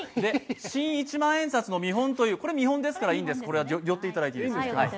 新一万円札の見本という、これ見本ですから寄っていただいていいんです。